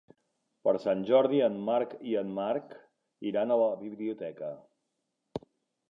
Per Sant Jordi en Marc i en Marc iran a la biblioteca.